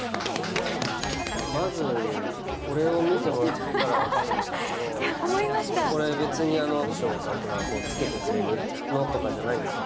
まずこれを見てもらったら分かるんですけどこれ、別に衣装さんとかがつけてくれるものじゃないんですよ。